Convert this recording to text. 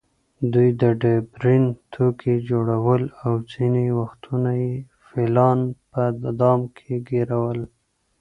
دوی ډبرین توکي جوړول او ځینې وختونه یې فیلان په دام کې ګېرول.